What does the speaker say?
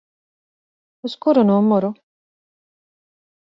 Uz kuru numuru?